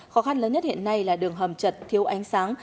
khó khăn lớn nhất hiện nay là đường hầm chật thiếu ánh sáng